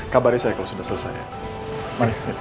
kabari saya kalau sudah selesai